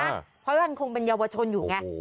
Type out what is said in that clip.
เพราะท่านคงเป็นเยาวชนอยู่ไง